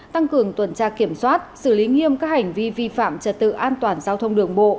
tăng cường tuần tra kiểm soát xử lý nghiêm các hành vi vi phạm trật tự an toàn giao thông đường bộ